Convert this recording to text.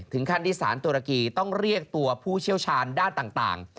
ขั้นที่สารตุรกีต้องเรียกตัวผู้เชี่ยวชาญด้านต่าง